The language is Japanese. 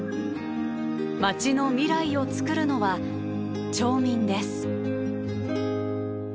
町の未来をつくるのは町民です。